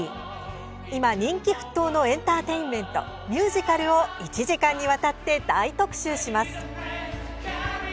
今、人気沸騰のエンターテインメントミュージカルを１時間にわたって大特集します。